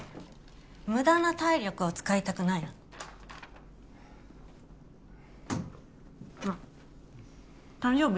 無駄な体力を使いたくないのあッ誕生日